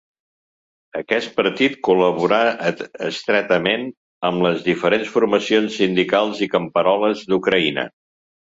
Aquest partit col·laborà estretament amb les diferents formacions sindicals i camperoles d'Ucraïna.